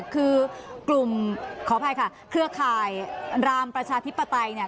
คือกลุ่มเครือข่ายรามประชาธิปไตร